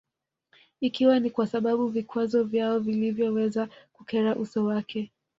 Ikiwa ni kwa sababu vikwazo vyao vilivyoweza kukera uso wake